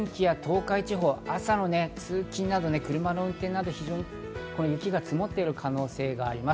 月曜日の朝は近畿や東海地方、朝の通勤など車の運転など、雪が積もっている可能性があります。